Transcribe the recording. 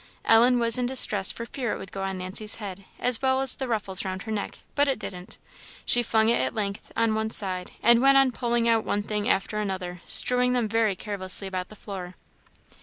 Ellen was in distress for fear it would go on Nancy's head, as well as the ruffles round her neck; but it didn't; she flung it at length on one side, and went on pulling out one thing after another, strewing them very carelessly about the floor.